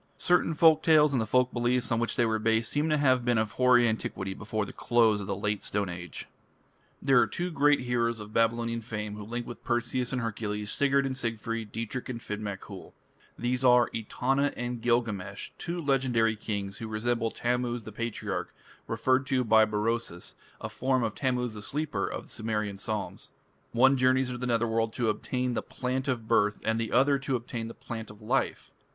Certain folk tales, and the folk beliefs on which they were based, seem to have been of hoary antiquity before the close of the Late Stone Age. There are two great heroes of Babylonian fame who link with Perseus and Hercules, Sigurd and Siegfried, Dietrich and Finn mac Coul. These are Etana and Gilgamesh, two legendary kings who resemble Tammuz the Patriarch referred to by Berosus, a form of Tammuz the Sleeper of the Sumerian psalms. One journeys to the Nether World to obtain the Plant of Birth and the other to obtain the Plant of Life.